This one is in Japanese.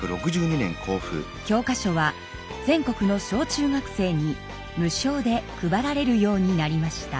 教科書は全国の小中学生に無償で配られるようになりました。